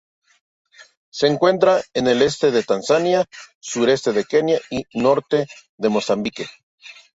Se encuentra en el este de Tanzania, sureste de Kenia y norte de Mozambique.